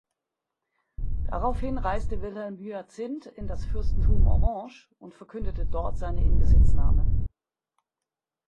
Daraufhin reiste Wilhelm Hyacinth in das Fürstentum Orange und verkündete dort seine Inbesitznahme.